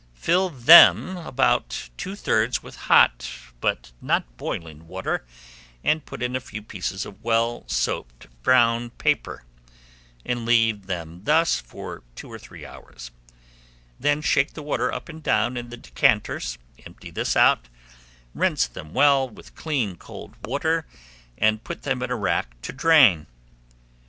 Fill them about two thirds with hot but not boiling water, and put in a few pieces of well soaped brown paper; leave them thus for two or three hours; then shake the water up and down in the decanters; empty this out, rinse them well with clean cold water, and put them in a rack to drain.